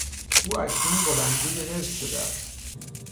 او اکنون بلندگوی حزب شده است.